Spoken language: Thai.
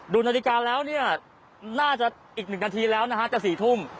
ดูนาฬิกาแล้วเนี่ยน่าจะอีก๑นาทีแล้วนะฮะจะ๔ทุ่ม